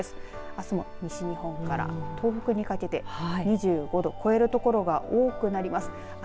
あすも西日本から東北にかけて２５度を超える所が多くなります。